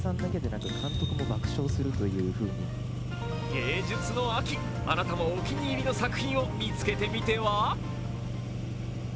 芸術の秋、あなたもお気に入りの作品を見つけてみては。